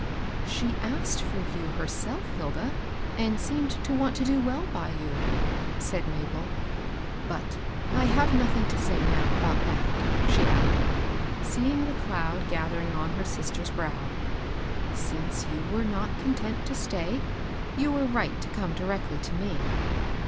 ^^ She asked for you herself, Hilda, and seemed to want to do well by you," said Mabel. " But 1 have nothing to say now about that," she added, seeing the cloud gathering on her sister's brow. Since you were not content to stay, you we^e right to come directly to me."